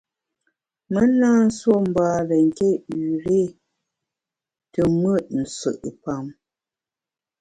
Me na nsuo mbare nké üré te mùt nsù’pam.